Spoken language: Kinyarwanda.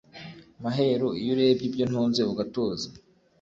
maheru iyo urebye ibyo ntunze ugatuza